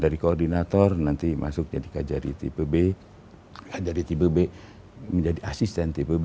dari koordinator nanti masuk jadi kajari tipe b kajari tipe b menjadi asisten tipe b